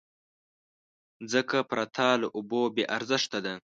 مځکه پرته له اوبو بېارزښته ده.